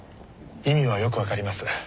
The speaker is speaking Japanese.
意味はよく分かります。